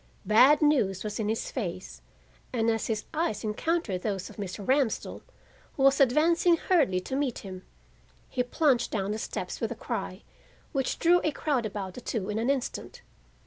Bad news was in his face, and as his eyes encountered those of Mr. Ramsdell, who was advancing hurriedly to meet him, he plunged down the steps with a cry which drew a crowd about the two in an instant.